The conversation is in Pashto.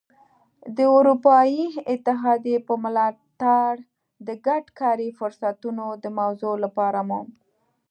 د اروپايي اتحادیې په ملاتړ د ګډو کاري فرصتونو د موضوع لپاره مو.